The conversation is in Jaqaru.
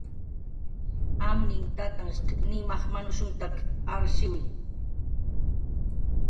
Amninh tatanhshq Nimaj manushuntak arshiwi